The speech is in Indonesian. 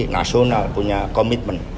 nasional punya komitmen